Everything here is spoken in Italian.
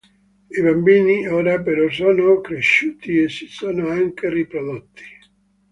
I bambini ora però sono cresciuti e si sono anche riprodotti.